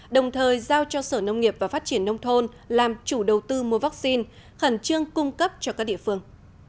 đồng thời giao cho sở nông nghiệp và phát triển nông thôn làm chủ đầu tư mua vaccine khẩn trương cung cấp cho các địa phương